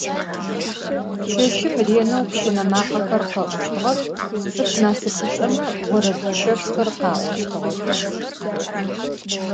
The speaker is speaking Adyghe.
Çeşım rêneu pşıne makhexer khe'uştığex, ts'ıf nasıpış'ome vored çefxer kha'oştığex.